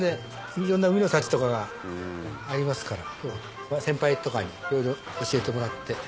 いろんな海の幸とかがありますから先輩とかにいろいろ教えてもらって。